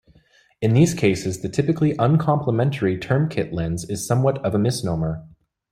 In these cases the typically uncomplimentary term kit lens' is somewhat of a misnomer.